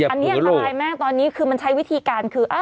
อันนี้อันตรายมากตอนนี้คือมันใช้วิธีการคือ